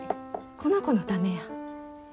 この子のためや。